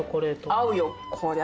合うよ。